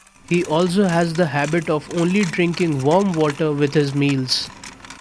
He also has the habit of only drinking warm water with his meals.